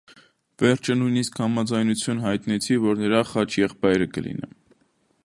Վերջը նույնիսկ համաձայնություն հայտնեցի, որ նրա խաչեղբայրը կլինեմ: